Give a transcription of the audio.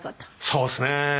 そうですね。